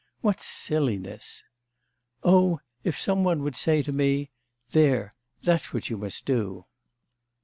What silliness! 'Oh, if some one would say to me: "There, that's what you must do!"